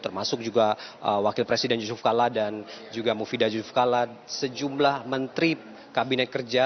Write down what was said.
termasuk juga wakil presiden yusuf kala dan juga mufidah yusuf kalla sejumlah menteri kabinet kerja